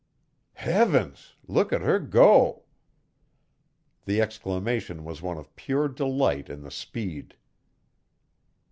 "Heavens! look at her go!" The exclamation was one of pure delight in the speed.